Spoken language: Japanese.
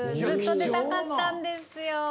ずっとでたかったんですよ。